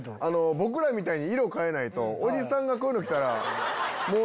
僕らみたいに色変えないとおじさんがこういうの着たら。